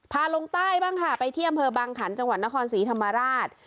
ลงใต้บ้างค่ะไปที่อำเภอบางขันจังหวัดนครศรีธรรมราช